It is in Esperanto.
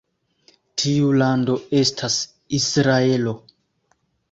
Tiu lando estas Israelo.